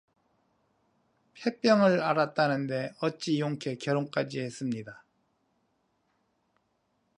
폐병을 앓았다던데 어찌 용케 결혼까지 했습니다?